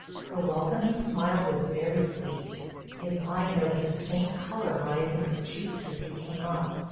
Her welcoming smile was very sweet; his eye noticed a faint color rise in her cheeks as he came up.